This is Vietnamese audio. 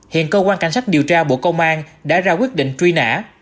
hiện cơ quan cảnh sát điều tra bộ công an đã ra quyết định truy nã